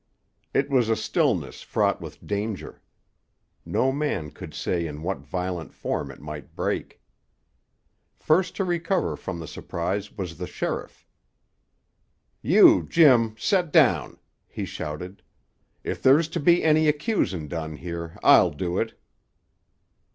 It was a stillness fraught with danger. No man could say in what violent form it might break. First to recover from the surprise was the sheriff. "You, Jim, set down!" he shouted. "If there's to be any accusin' done here, I'll do it."